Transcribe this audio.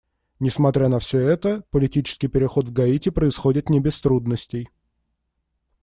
Несмотря на все это, политический переход в Гаити происходит не без трудностей.